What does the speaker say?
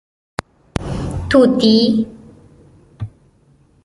🦜 طوطي